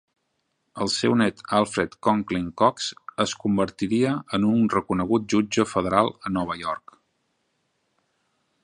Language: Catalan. El seu net Alfred Conkling Coxe es convertiria en un reconegut jutge federal a Nova York.